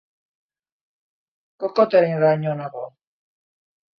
Kokoteraino nago.